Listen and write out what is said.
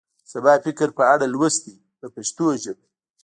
د سبا فکر په اړه لوست دی په پښتو ژبه.